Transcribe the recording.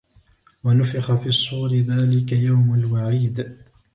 وَنُفِخَ فِي الصُّورِ ذَلِكَ يَوْمُ الْوَعِيدِ